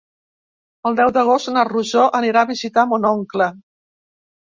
El deu d'agost na Rosó anirà a visitar mon oncle.